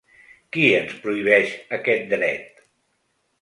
Qui ens prohibeix aquest dret?